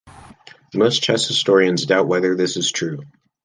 Most chess historians doubt whether this is true.